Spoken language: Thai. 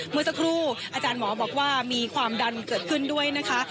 เมื่อสักครู่อาจารย์หมอบอกว่ามีความดันเกิดขึ้นด้วยนะคะ